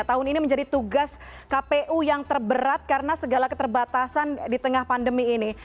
tahun ini menjadi tugas kpu yang terberat karena segala keterbatasan di tengah pandemi ini